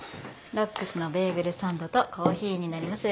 ロックスのベーグルサンドとコーヒーになります。